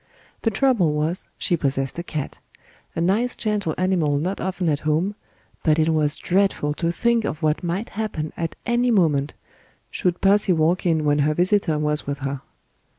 The trouble was, she possessed a cat, a nice gentle animal not often at home, but it was dreadful to think of what might happen at any moment should pussy walk in when her visitor was with her.